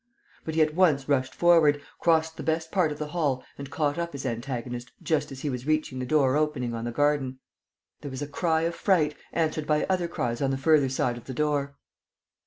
But he at once rushed forward, crossed the best part of the hall and caught up his antagonist just as he was reaching the door opening on the garden. There was a cry of fright, answered by other cries on the further side of the door.